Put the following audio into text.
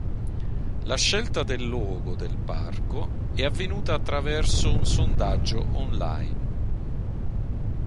La scelta del logo del parco è avvenuta attraverso un sondaggio online.